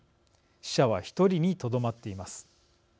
死者は１人にとどまっています。